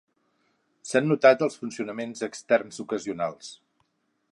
S'han notat els funcionaments externs ocasionals.